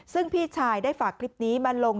ซึ่งพี่ชายได้ฝากคลิปนี้มาลง